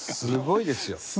すごいですよ。